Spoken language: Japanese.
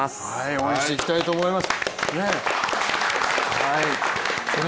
応援していきたいと思います。